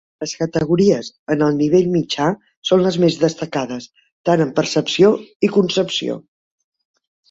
Les categories en el nivell mitjà són les més destacades tan en percepció i concepció.